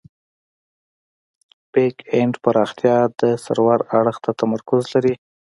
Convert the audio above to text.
بیک اینډ پراختیا د سرور اړخ ته تمرکز لري.